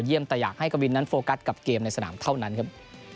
แต่อยากให้กวินนั้นโฟกัสกับเกมในสนามเท่านั้นครับ